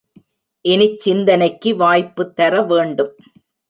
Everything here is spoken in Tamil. இனிச் சிந்தனைக்கு வாய்ப்பு தர வேண்டும்.